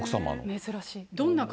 珍しい。